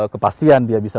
kepastian dia bisa